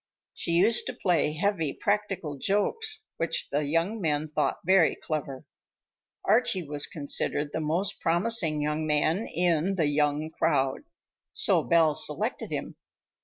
She used to play heavy practical jokes which the young men thought very clever. Archie was considered the most promising young man in "the young crowd," so Belle selected him.